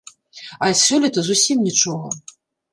А сёлета зусім нічога.